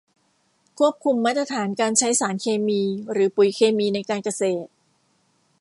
ควบคุมมาตรฐานการใช้สารเคมีหรือปุ๋ยเคมีในการเกษตร